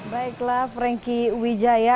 baiklah franky wijaya